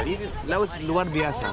ini laut luar biasa